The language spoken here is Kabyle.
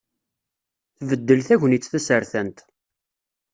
Tbeddel tegnit tasertant.